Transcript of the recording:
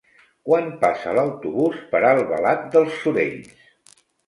Quan passa l'autobús per Albalat dels Sorells?